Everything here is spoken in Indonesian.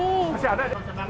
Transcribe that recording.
dia masih muda